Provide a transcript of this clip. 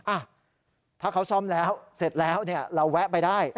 อ่ะถ้าเขาซ่อมแล้วเสร็จแล้วเราแวะไปได้